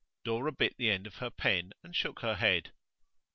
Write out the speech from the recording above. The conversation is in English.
Dora bit the end of her pen and shook her head.